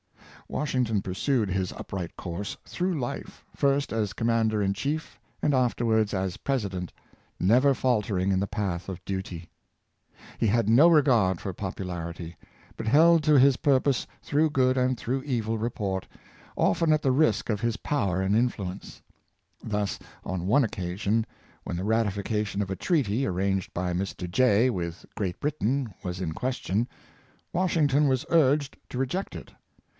'' Washington pursued his upright course through life, first as commander in chief, and afterwards as president, never faltering in the path of duty. He had no regard for popularity, but held to his purpose through good and through evil report, often at the risk of his power and influence. Thus, on one occasion, when the ratifi cation of a treaty, arranged by Mr. Jay with Great Britain, was in question, Washington was urged to re ject it.